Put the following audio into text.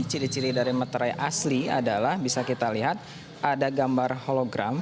ciri ciri dari materai asli adalah bisa kita lihat ada gambar hologram